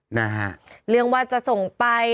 หลากหลายรอดอย่างเดียว